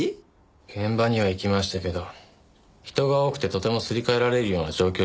現場には行きましたけど人が多くてとてもすり替えられるような状況じゃありませんでしたから。